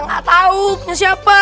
gak tau punya siapa